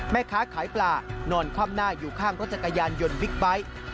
แม่ค้าขายปลานอนคว่ำหน้าอยู่ข้างรถจักรยานยนต์บิ๊กไบท์